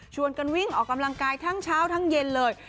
กันวิ่งออกกำลังกายทั้งเช้าทั้งเย็นเลย